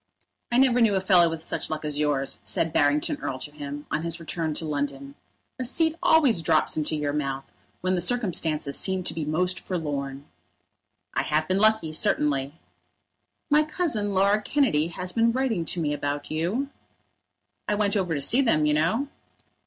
"I never knew a fellow with such luck as yours," said Barrington Erle to him, on his return to London. "A seat always drops into your mouth when the circumstances seem to be most forlorn." "I have been lucky, certainly." "My cousin, Laura Kennedy, has been writing to me about you." "I went over to see them, you know."